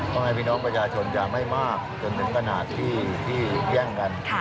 ให้พี่น้องประชาชนจะไม่มากจนถึงขนาดที่แย่งกัน